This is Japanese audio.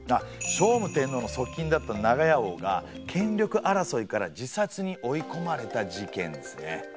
聖武天皇の側近だった長屋王が権力争いから自殺に追い込まれた事件ですね。